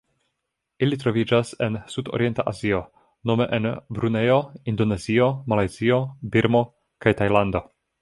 Ili troviĝas en Sudorienta Azio nome en Brunejo, Indonezio, Malajzio, Birmo kaj Tajlando.